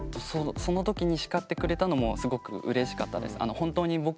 その時に叱ってくれたのもすごくうれしかったです。